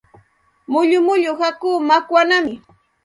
Mullu mullu hakuu makwanaami.